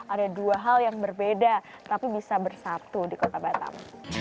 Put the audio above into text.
ada dua hal yang berbeda tapi bisa bersatu di kota batam